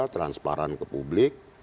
transparan ke publik